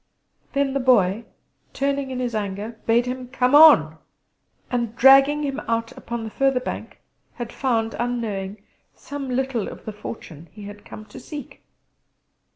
Then the Boy, turning in his anger, bade him come on; and, dragging him out upon the further bank, had found unknowing some little of the fortune he had come to seek.